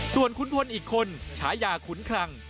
ส่วนขุนพลอีกคนฉายาขุนคลัง